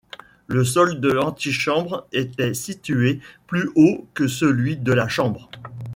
Le sol de l'antichambre était situé plus haut que celui de la chambre.